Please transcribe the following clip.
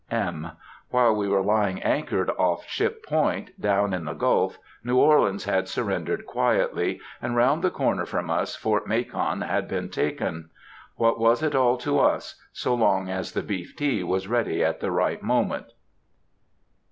(M.) While we were lying anchored off Ship Point, down in the Gulf, New Orleans had surrendered quietly, and round the corner from us Fort Macon had been taken. What was it all to us, so long as the beef tea was ready at the right moment?